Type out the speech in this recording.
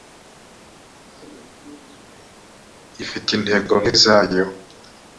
ifite intego nk izayo